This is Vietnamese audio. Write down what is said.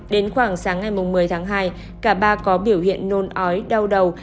đến khoảng sáng ngày một mươi tháng hai cả ba có biểu hiện nôn ói đau đầu